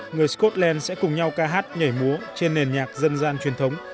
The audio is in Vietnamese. người scotland sẽ cùng nhau ca hát nhảy múa trên nền nhạc dân gian truyền thống